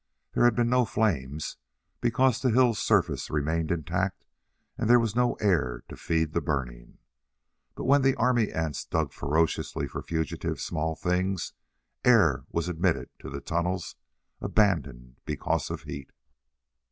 There had been no flames because the hills' surface remained intact and there was no air to feed the burning. But when the army ants dug ferociously for fugitive small things, air was admitted to tunnels abandoned because of heat.